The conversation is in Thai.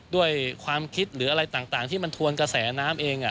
ด้วยความคิดหรืออะไรต่างที่มันทวนกระแสน้ำเอง